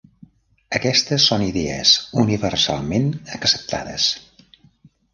Aquestes són idees universalment acceptades.